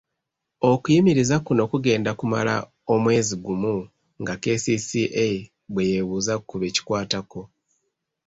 Okuyimiriza kuno kugenda kumala omwezi gumu nga KCCA bwe yeebuuza ku be kikwatako.